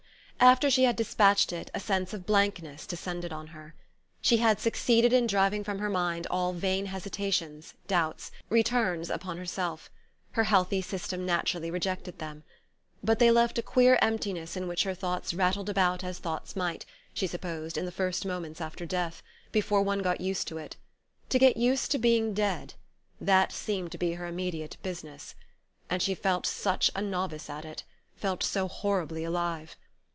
After she had despatched it a sense of blankness descended on her. She had succeeded in driving from her mind all vain hesitations, doubts, returns upon herself: her healthy system naturally rejected them. But they left a queer emptiness in which her thoughts rattled about as thoughts might, she supposed, in the first moments after death before one got used to it. To get used to being dead: that seemed to be her immediate business. And she felt such a novice at it felt so horribly alive!